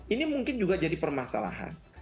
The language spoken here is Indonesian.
ini mungkin juga jadi permasalahan